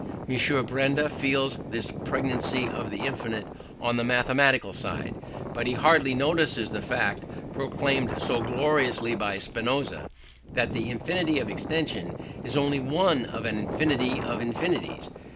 M. Benda feels this pregnancy of the infinite on the mathematical side; but he hardly notices the fact, proclaimed so gloriously by Spinoza, that the infinity of extension is only one of an infinity of infinites.